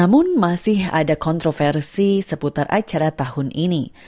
namun masih ada kontroversi seputar acara tahun ini